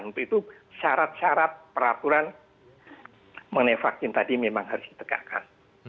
untuk itu syarat syarat peraturan mengenai vaksin tadi memang harus ditegakkan